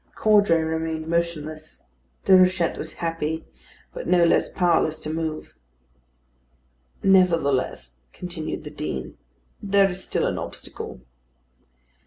Caudray remained motionless; Déruchette was happy, but no less powerless to move. "Nevertheless," continued the Dean, "there is still an obstacle."